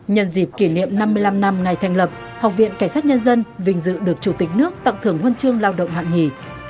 nhân dịp kỷ niệm năm mươi năm năm ngày thành lập học viện cảnh sát nhân dân vinh dự được chủ tịch nước tặng thưởng huân chương lao động hạng nhì